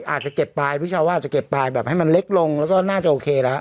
อาจจะเก็บปลายพี่ชาวว่าอาจจะเก็บปลายแบบให้มันเล็กลงแล้วก็น่าจะโอเคแล้ว